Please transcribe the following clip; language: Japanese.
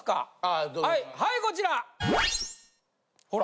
はいこちらほら。